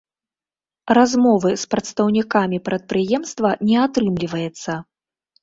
Размовы з прадстаўнікамі прадпрыемства не атрымліваецца.